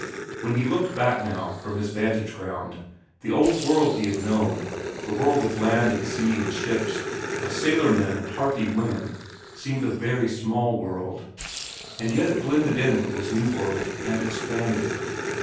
When he looked back now from his vantage ground, the old world he had known, the world of land and sea and ships, of sailor men and harpy women, seemed a very small world; and yet it blended in with this new world and expanded.